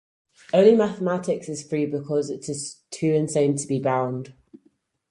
Only mathematics is free, because it is too insane to be bound.